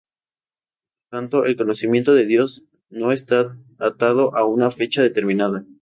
Por lo tanto, el conocimiento de Dios no está atado a una fecha determinada.